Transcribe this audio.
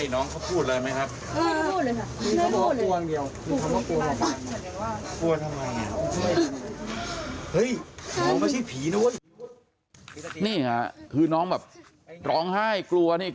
น้องก็เลยบอก